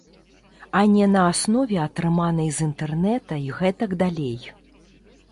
А не на аснове атрыманай з інтэрнэта і гэтак далей.